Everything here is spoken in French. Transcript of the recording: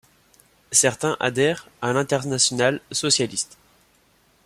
Certains adhèrent à l'Internationale socialiste.